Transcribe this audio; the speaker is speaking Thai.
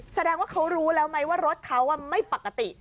แสดงแบบเค้ารู้แล้วไม่ว่ารถเค้าไม่ปกติ